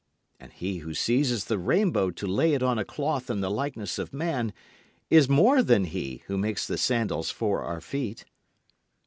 And he who seizes the rainbow to lay it on a cloth in the likeness of man, is more than he who makes the sandals for our feet."